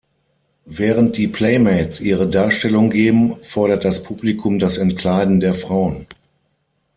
Während die Playmates ihre Darstellung geben, fordert das Publikum das Entkleiden der Frauen.